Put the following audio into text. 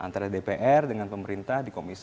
antara dpr dengan pemerintah dikomisasi